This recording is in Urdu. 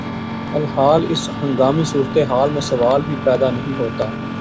ی الحال اس ہنگامی صورتحال میں سوال ہی پیدا نہیں ہوتا